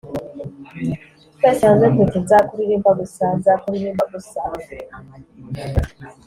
twese hamwe tuti :« nzakuririmba gusa, nzakuririmba gusa